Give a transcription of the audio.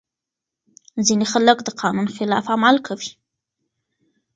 ځينې خلګ د قانون خلاف عمل کوي.